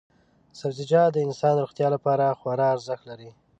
سبزیجات د انسان روغتیا لپاره خورا ارزښت لري.